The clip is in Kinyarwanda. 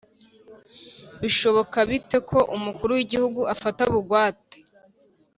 bishoboka bite ko umukuru w'igihugu afata bugwate